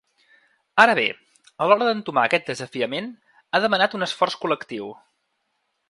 Ara bé, a l’hora d’entomar aquest desafiament, ha demanat un esforç col·lectiu.